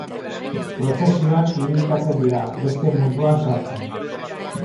Prozesioan irudikatzen dira, beste munduan sartzen.